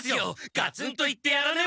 ガツンと言ってやらねば！